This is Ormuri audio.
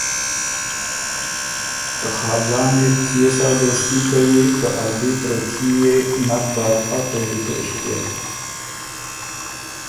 که خاجان يې بو کيې سا دوستي کوی که ا بی بره کي يې نک داک هۀ پېری توݭکيې۔